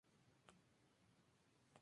La música sacra era su fuerte.